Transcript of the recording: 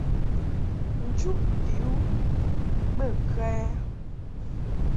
Nchuʼ vi u bə kə ɛ ?